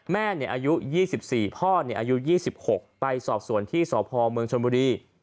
แม่อายุ๒๔พ่ออายุ๒๖ไปสอบส่วนที่สพเมืองชนบุรี